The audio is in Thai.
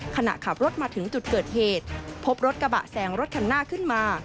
ขณะขับรถมาถึงจุดเกิดเหตุพบรถกระบะแสงรถคันหน้าขึ้นมา